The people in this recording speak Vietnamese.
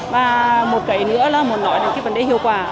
và một cái nữa là một loại là cái vấn đề hiệu quả